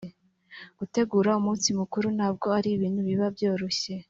Gutegura umunsi mukuru ntabwo ari ibintu biba byoroshye